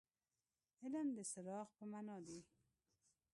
علم د څراغ په معنا دي.